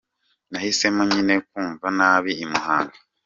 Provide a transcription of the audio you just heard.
Nahisemo nyine kumva naba i Muhanga.